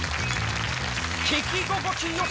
聞き心地よさ